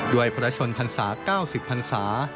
ด้วยพระชนพันศา๙๐พันศา